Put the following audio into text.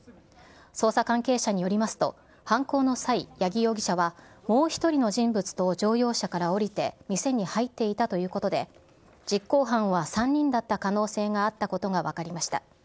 捜査関係者によりますと、犯行の際、八木容疑者はもう１人の人物と乗用車から降りて店に入っていたということで、実行犯は３人だった可能性があったことが分かりました。